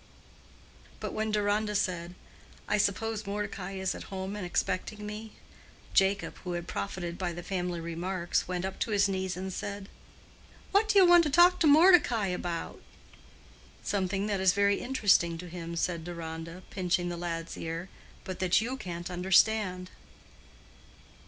But when Deronda said, "I suppose Mordecai is at home and expecting me," Jacob, who had profited by the family remarks, went up to his knee and said, "What do you want to talk to Mordecai about?" "Something that is very interesting to him," said Deronda, pinching the lad's ear, "but that you can't understand."